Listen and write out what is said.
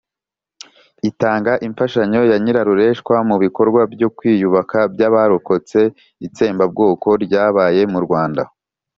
itanga imfashanyo ya nyirarureshwa mu bikorwa byo kwiyubaka by'abarokotse itsembabwoko ryabaye mu rwanda.